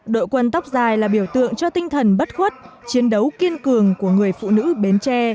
đội quân tóc dài là biểu tượng cho tinh thần bất khuất chiến đấu kiên cường của người phụ nữ bến tre